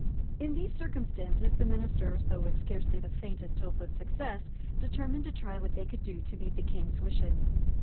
In these circumstances the ministers, though with scarcely the faintest hope of success, determined to try what they could do to meet the King's wishes.